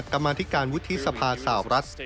กรรมาธิการวุฒิสภาสาวรัฐ